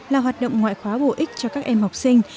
là hoạt động ngoại khóa bổ ích cho các em học sinh